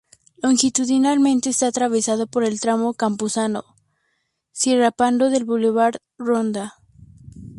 Longitudinalmente está atravesado por el tramo Campuzano-Sierrapando del Boulevard Ronda.